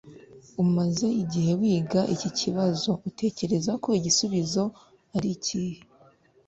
Umaze igihe wiga iki kibazo Utekereza ko igisubizo ari ikihe